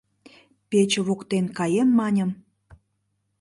Пече воктен каем маньым -